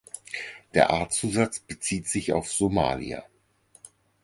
Der Artzusatz bezieht sich auf Somalia.